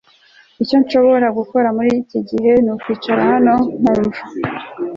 Icyo nshobora gukora muriki gihe nukwicara hano nkumva